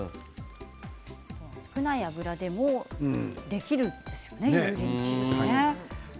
少ない油でもできるんですね、油淋鶏。